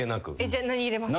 じゃあ何入れますか？